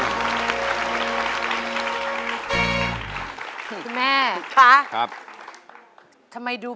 จะเป็นที่ว่าที่เราพูดถึงจะเป็นเรื่องที่ยังไหลค่ะ